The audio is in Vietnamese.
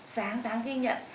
sáng đáng ghi nhận